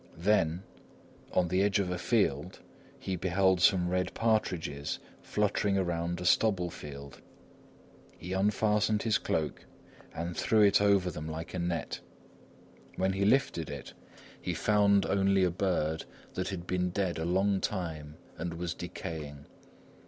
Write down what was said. Then, on the edge of a field, he beheld some red partridges fluttering around a stubble field. He unfastened his cloak and threw it over them like a net. When he lifted it, he found only a bird that had been dead a long time and was decaying.